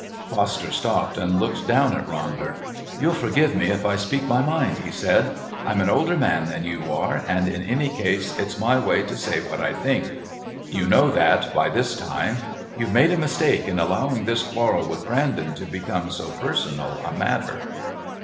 Foster stopped and looked down at Ronder. "You'll forgive me if I speak my mind," he said. "I'm an older man than you are, and in any case it's my way to say what I think. You know that by this time. You've made a mistake in allowing this quarrel with Brandon to become so personal a matter."